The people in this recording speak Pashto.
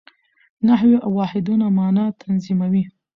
نحوي واحدونه مانا تنظیموي.